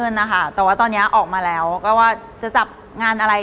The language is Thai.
อ๋อชัดเจนจ้ะชัดเจนเนอะ